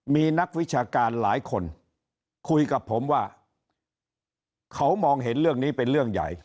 มีนักวิชาการหลายคนคุยกับผมว่าเขามองเห็นเรื่องนี้เป็นเรื่องใหญ่